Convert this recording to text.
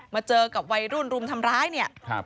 มาเจอกับวัยรุ่นรุมทำร้าย